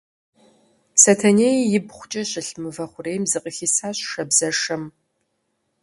Сэтэней ибгъукӏэ щылъ мывэ хъурейм зыкъыхисащ шабзэшэм.